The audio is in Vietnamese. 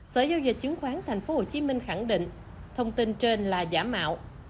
sở giao dịch chứng khoán tp hcm khẳng định thông tin trên là giả mạo